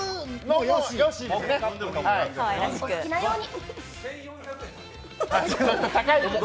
お好きなように！